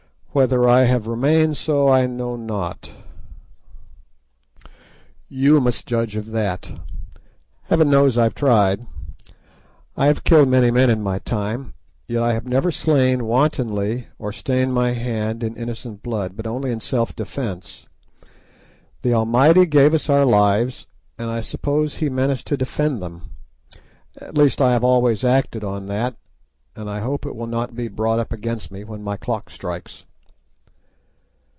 Whether I have remained so I know not, you must judge of that. Heaven knows I've tried. I have killed many men in my time, yet I have never slain wantonly or stained my hand in innocent blood, but only in self defence. The Almighty gave us our lives, and I suppose He meant us to defend them, at least I have always acted on that, and I hope it will not be brought up against me when my clock strikes.